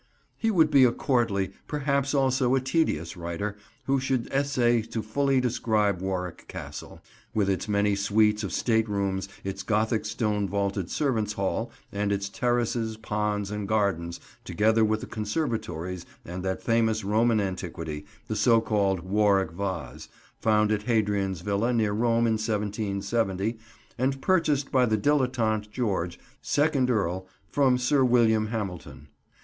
He would be a courtly, and perhaps also a tedious, writer who should essay to fully describe Warwick Castle, with its many suites of state rooms, its gothic stone vaulted servants' hall, and its terraces, ponds, and gardens, together with the conservatories and that famous Roman antiquity, the so called "Warwick Vase," found at Hadrian's Villa, near Rome in 1770, and purchased by the dilettante George, second Earl, from Sir William Hamilton.